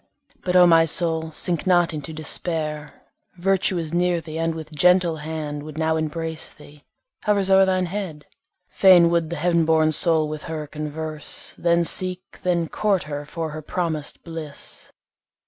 But, O my soul, sink not into despair, Virtue is near thee, and with gentle hand Would now embrace thee, hovers o'er thine head. Fain would the heav'n born soul with her converse, Then seek, then court her for her promis'd bliss.